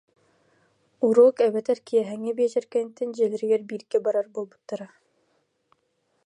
Уруок эбэтэр киэһээҥҥи биэчэр кэнниттэн дьиэлэригэр бииргэ барар буолбуттара